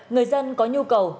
người dân có nhu cầu